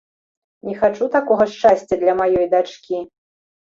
Не хачу такога шчасця для маёй дачкі!